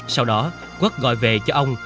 sau đó quất gọi về cho ông